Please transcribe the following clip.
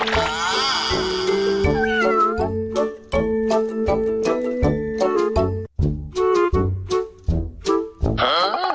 โปรดติดตามตอนต่อไป